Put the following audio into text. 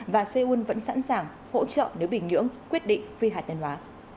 và seoul vẫn sẵn sàng hỗ trợ nếu bình nhưỡng quyết định phi hạt nhân hóa